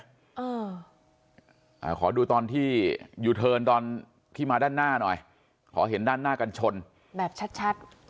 อ่าขอดูตอนที่ยูเทิร์นตอนที่มาด้านหน้าหน่อยขอเห็นด้านหน้ากันชนแบบชัดชัด